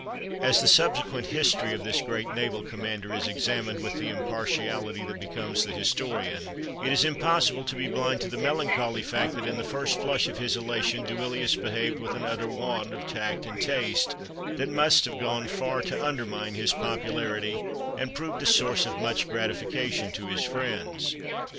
As the subsequent history of this great naval commander is examined with the impartiality that becomes the historian, it is impossible to be blind to the melancholy fact that in the first flush of his elation Duilius behaved with an utter want of tact and taste that must have gone far to undermine his popularity, and proved a source of much gratification to his friends.